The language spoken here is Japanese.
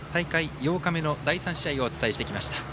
大会８日目の第３試合をお伝えしてきました。